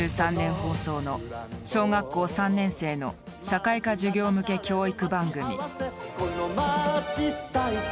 放送の小学校３年生の社会科授業向け教育番組。